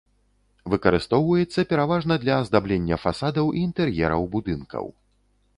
Выкарыстоўваецца пераважна для аздаблення фасадаў і інтэр'ераў будынкаў.